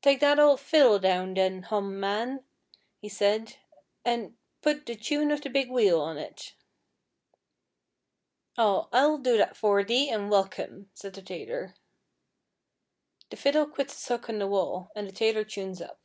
'Take that oul' fiddle down, then, Hom, man,' he said; 'an' put "The tune of the Big Wheel" on it.' 'Aw, I'll do that for thee, an' welcome,' said the tailor. The fiddle quits its hook on the wall, and the tailor tunes up.